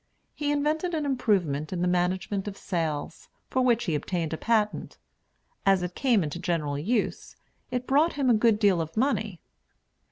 He invented an improvement in the management of sails, for which he obtained a patent. As it came into general use, it brought him a good deal of money.